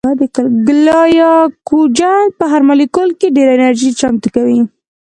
ګلایکوجن په هر مالیکول کې ډېره انرژي چمتو کوي